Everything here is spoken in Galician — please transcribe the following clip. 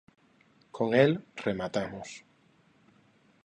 Con el rematamos.